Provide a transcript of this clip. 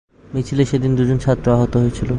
মিছিলে সেদিন দুজন ছাত্র আহত হয়েছিল।